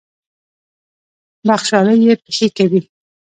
بخْشالۍ یې پېښې کوي.